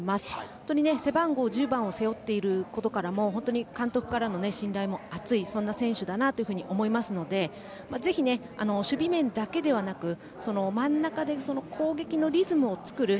本当に背番号１０番を背負っていることからも監督からの信頼も厚い選手だなと思いますのでぜひ、守備面だけではなく真ん中で攻撃のリズムを作る